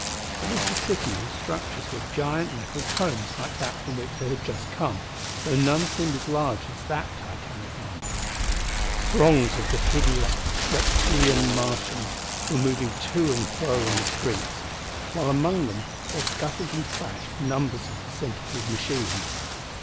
It was a city whose structures were giant metal cones like that from which they had just come, though none seemed as large as that titanic one. Throngs of the hideous crocodilian Martians were moving busily to and fro in the streets, while among them there scuttled and flashed numbers of the centipede machines.